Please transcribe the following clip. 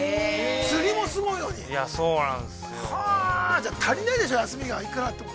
◆じゃあ、足りないでしょう、休みが幾らあっても。